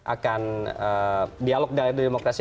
akan dialog layar demokrasi